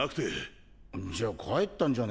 じゃ帰ったんじゃねぇの？